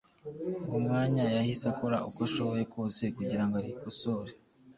uwo mwanya yahise akora uko ashoboye kose kugira ngo arikosore.